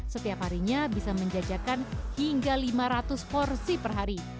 setiap harinya bisa menjajakan hingga lima ratus porsi per hari